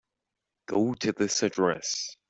Go to this address.